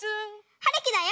はるきだよ。